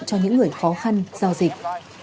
cho những người khó khăn do dịch